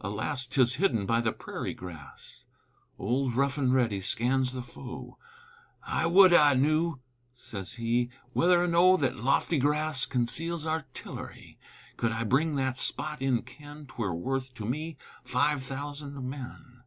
Alas, 'Tis hidden by the prairie grass! Old Rough and Ready scans the foe; "I would I knew," says he, "Whether or no that lofty grass Conceals artillery. Could I but bring that spot in ken, 'Twere worth to me five thousand men!"